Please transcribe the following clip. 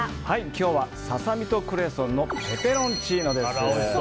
今日は、ササミとクレソンのペペロンチーノです。